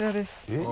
えっ？